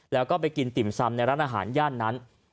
แล้วก็ไปกินติ่มซำในร้านอาหารย่านนั้น